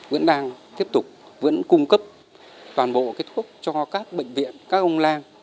vẫn đang tiếp tục vẫn cung cấp toàn bộ cái thuốc cho các bệnh viện các ông lang